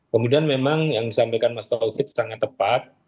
kemudian memang yang disampaikan mas tauhid sangat tepat